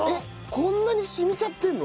こんなに染みちゃってるの？